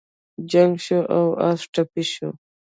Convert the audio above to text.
جنګ شو او اس ټپي شو.